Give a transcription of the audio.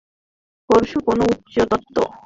পশুরা কোন উচ্চ তত্ত্ব ধারণা করিতে পারে না।